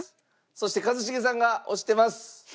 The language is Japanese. そして一茂さんが押してます。